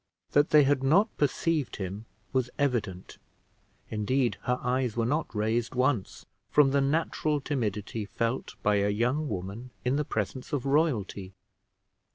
That they had not perceived him was evident; indeed her eyes were not raised once, from the natural timidity felt by a young woman in the presence of royalty.